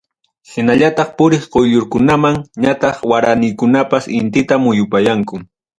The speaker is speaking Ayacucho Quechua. Hinallataq, puriq quyllurkunam ñataq waranikunapas intita muyupayanku.